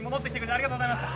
ありがとうございます。